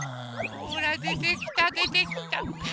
ほらでてきたでてきた！